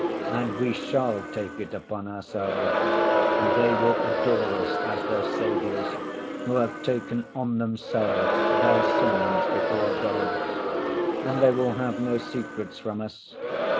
And we shall take it upon ourselves, and they will adore us as their saviors who have taken on themselves their sins before God. And they will have no secrets from us.